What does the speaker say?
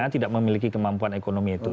tidak memiliki kemampuan ekonomi itu